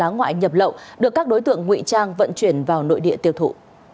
láng ngoại nhập lậu được các đối tượng nguy trang vận chuyển vào nội địa tiêu thụ